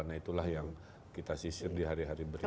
nah itulah yang kita sisir di hari hari berikutnya